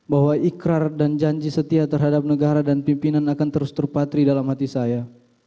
bahwa ikrar dan janji setia terhadap negara dan pimpinan akan terus terpatri dalam hati saya